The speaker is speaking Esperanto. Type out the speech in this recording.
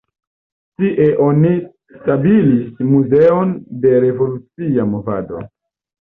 Tie oni establis muzeon de revolucia movado.